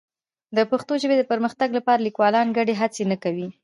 د پښتو ژبې د پرمختګ لپاره لیکوالان ګډې هڅې نه کوي.